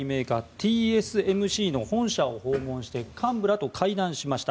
ＴＳＭＣの本社を訪問して幹部らと会談しました。